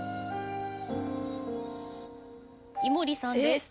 井森さんです。